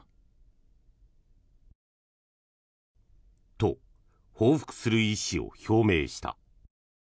と、報復する意思を表明した。